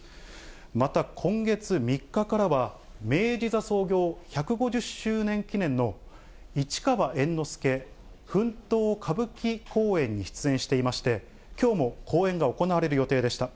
また、今月３日からは、明治座創業１５０周年記念の市川猿之助奮闘歌舞伎公演に出演していまして、きょうも公演が行われる予定でした。